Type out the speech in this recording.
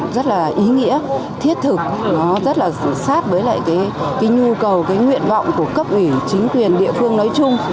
rất là ý nghĩa thiết thực nó rất là sát với lại cái nhu cầu cái nguyện vọng của cấp ủy chính quyền địa phương nói chung